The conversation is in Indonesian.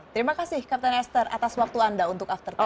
terima kasih captain esther atas waktu anda untuk after sepuluh